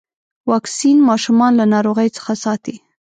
واکسین ماشومان له ناروغيو څخه ساتي.